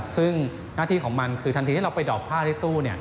ซึ่งหน้าที่ของมันคือทันทีที่เราไปดอบผ้าที่ตู้